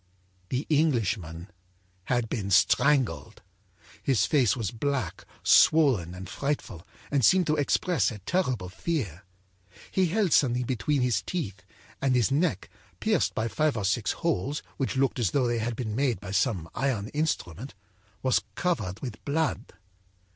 âThe Englishman had been strangled! His face was black, swollen and frightful, and seemed to express a terrible fear. He held something between his teeth, and his neck, pierced by five or six holes which looked as though they had been made by some iron instrument, was covered with blood.